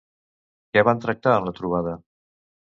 Què van tractar en la trobada?